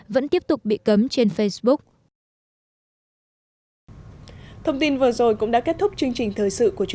vẫn tiếp tục bị cấm trên facebook